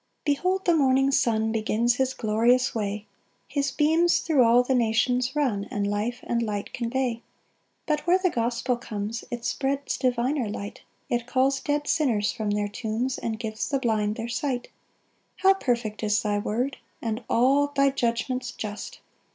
1 Behold the morning sun Begins his glorious way; His beams thro' all the nations run, And life and light convey. 2 But where the gospel comes, It spreads diviner light, It calls dead sinners from their tombs, And gives the blind their sight. 3 How perfect is thy word! And all thy judgments just!